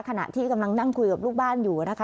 ขณะที่กำลังนั่งคุยกับลูกบ้านอยู่นะคะ